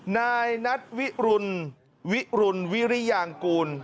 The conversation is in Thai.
นายนัทวิรุณวิรุณวิริยางกูล